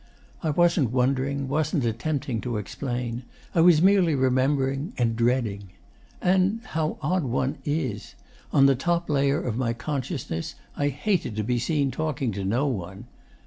I wasn't wondering, wasn't attempting to explain; I was merely remembering and dreading. And how odd one is! on the top layer of my consciousness I hated to be seen talking to no one.